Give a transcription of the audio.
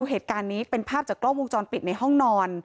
เหตุการณ์นี้เป็นภาพจากกล้องวงจรปิดในห้องนอน